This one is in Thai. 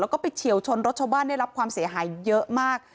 แล้วก็ไปเฉียวชนรถชาวบ้านได้รับความเสียหายเยอะมาก